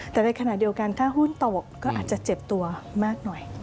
แต่ในขณะเดียวกันถ้าหุ้นตกก็อาจจะเจ็บตัวมากหน่อย